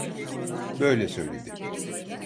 Böyle söyledi.